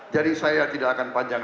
jadi saya tidak akan panjang